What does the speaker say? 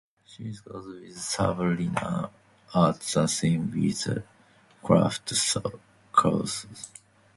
She goes with Sabrina at the same witchcraft courses.